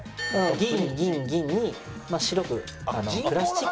銀銀銀に白くプラスチックを被せて。